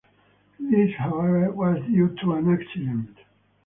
This, however, was due to an accident.